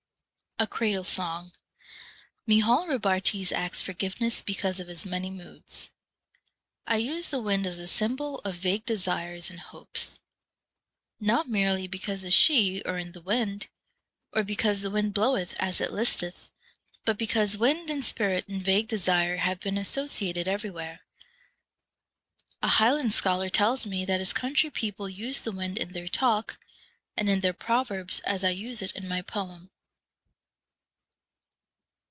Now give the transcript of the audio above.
' A Cradle Song. Michael ' Robartes asks Forgiveness be cause OF HIS MANY MOODS. I use the wind as a symbol of vague desires and hopes, not merely because the Sidhe are in the wind, or because the wind bloweth as it listeth, but because wind and spirit and vague desire have been associated everywhere. A highland scholar tells me that his country people use the wind in their talk and in their proverbs as I use it in my poem.